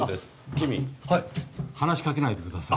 君、話しかけないでください。